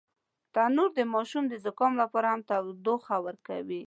تنور د ماشوم د زکام لپاره هم تودوخه ورکوي